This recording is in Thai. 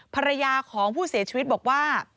ภรรยาของผู้เสียชีวิตบอกว่า